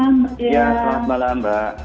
ya selamat malam mbak